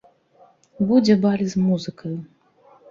Будзе баль з музыкаю.